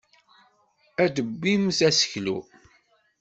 Ad tebbimt aseklu.